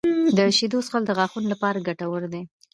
• د شیدو څښل د غاښونو لپاره ګټور دي.